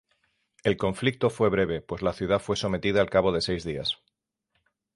El conflicto fue breve, pues la ciudad fue sometida al cabo de seis días.